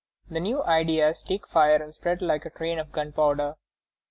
The new ideas take fire and spread like a train of gunpowder.